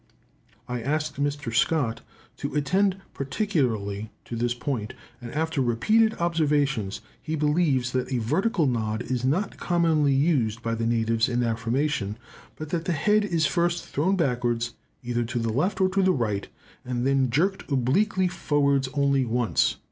I asked Mr. Scott to attend particularly to this point, and, after repeated observations, he believes that a vertical nod is not commonly used by the natives in affirmation, but that the head is first thrown backwards either to the left or right, and then jerked obliquely forwards only once.